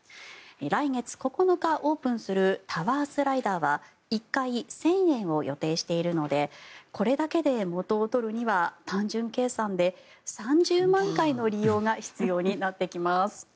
来月９日オープンするタワースライダーは１回１０００円を予定しているのでこれだけで元を取るには単純計算で３０万回の利用が必要になってきます。